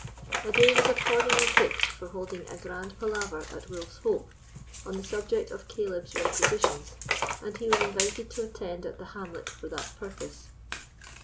A day was accordingly fixed for holding a grand palaver at Wolf's Hope on the subject of Caleb's requisitions, and he was invited to attend at the hamlet for that purpose.